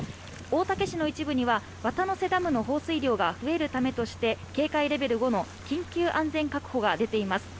大竹市の一部には渡之瀬ダムの放水量が増えるためとして警戒レベル５の緊急安全確保が出ています